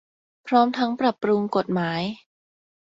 พร้อมทั้งปรับปรุงกฎหมาย